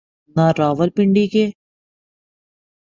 نہ راولپنڈی کے۔